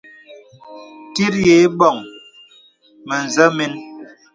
Tit yə îbɔ̀ŋ mə̄zɛ̄ mēn.